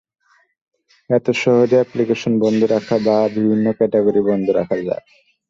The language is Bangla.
এতে সহজে অ্যাপ্লিকেশন বন্ধ রাখা বা বিভিন্ন ক্যাটাগরি বন্ধ রাখা যায়।